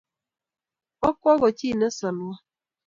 bokwo ko chi ne solwo